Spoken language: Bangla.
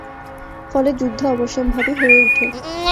ফলে যুদ্ধ অবশ্যম্ভাবী হয়ে উঠে।